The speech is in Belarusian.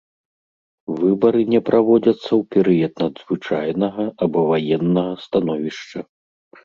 Выбары не праводзяцца ў перыяд надзвычайнага або ваеннага становішча.